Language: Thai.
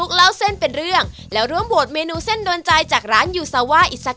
ขอบคุณครับ